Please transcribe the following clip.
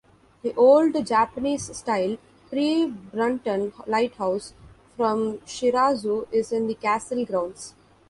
The old Japanese-style pre-Brunton lighthouse from Shirasu is in the castle grounds.